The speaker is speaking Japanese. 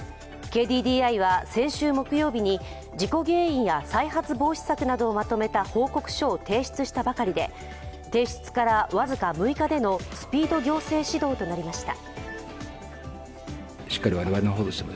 ＫＤＤＩは先週木曜日に事故原因や再発防止策などをまとめた報告書を提出したばかりで、提出から僅か６日でのスピード行政指導となりました。